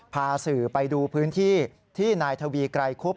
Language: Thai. พาสื่อไปดูพื้นที่ที่นายทวีไกรคุบ